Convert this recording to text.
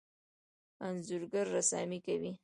انځورګر رسامي کوي.